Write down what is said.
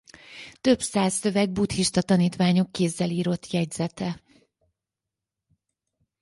Több száz szöveg buddhista tanítványok kézzel írott jegyzete.